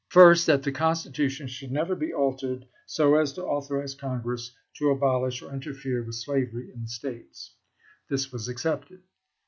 First That the Constitution should never be altered so as to authorize Congress to abolish or interfere with slavery in the States. This was accepted.